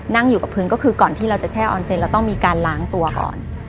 นั่งอยู่กับพื้นก็คือก่อนที่เราจะแช่อออนเซนเราต้องมีการล้างตัวก่อน